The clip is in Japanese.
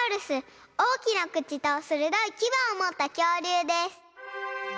おおきなくちとするどいきばをもったきょうりゅうです。